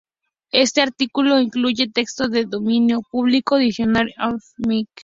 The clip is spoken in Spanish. Este artículo incluye texto de la dominio público Dictionary of American Naval Fighting Ships.